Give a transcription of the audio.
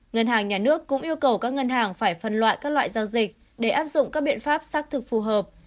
ngân hàng nhà nước cũng yêu cầu các ngân hàng phải phân loại các loại giao dịch để áp dụng các biện pháp xác thực phù hợp